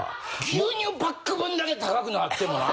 牛乳パックぶんだけ高くなってもな。